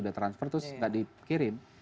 udah transfer terus gak di kirim